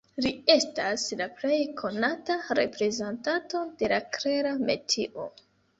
Li estas la plej konata reprezentanto de la Klera metio.